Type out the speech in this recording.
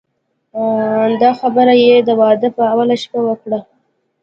دا خبره یې د واده په اوله شپه وکړه.